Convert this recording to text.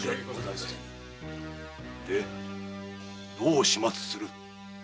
でどう始末する？